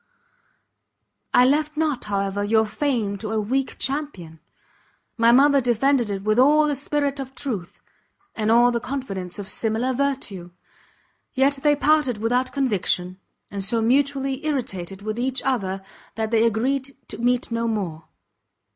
I left not, however, your fame to a weak champion: my mother defended it with all the spirit of truth, and all the confidence of similar virtue! yet they parted without conviction, and so mutually irritated with each other, that they agreed to meet no more.